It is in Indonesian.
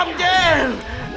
terima kasih ben